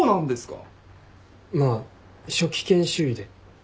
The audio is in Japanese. まあ初期研修医で。